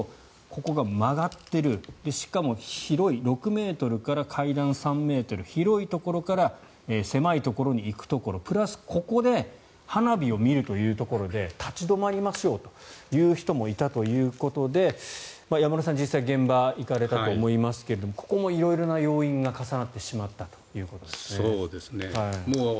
ここが曲がってるしかも、６ｍから階段３ｍ広いところから狭いところに行くところプラス、ここで花火を見るというところで立ち止まりましょうという人もいたということで山村さん、実際に現場に行かれたと思いますがここも色々な要因が重なってしまったと。